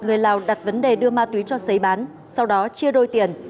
người lào đặt vấn đề đưa ma túy cho giấy bán sau đó chia đôi tiền